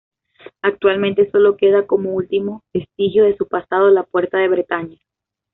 Actualmente sólo queda, como último vestigio de su pasado la "Puerta de Bretaña".